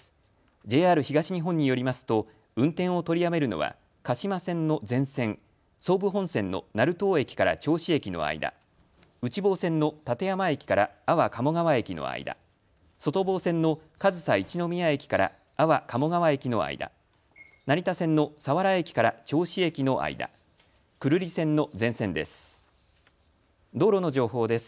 ＪＲ東日本によりますと運転を取りやめるのは鹿島線の全線、総武本線の成東駅から銚子駅の間、内房線の館山駅から安房鴨川駅の間、外房線の上総一ノ宮駅から安房鴨川駅の間、成田線の佐原駅から銚子駅の間、久留里線の全線です。